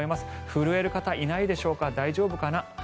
震える方、いないでしょうか大丈夫かな。